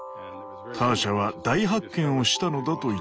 ターシャは大発見をしたのだと言っていました。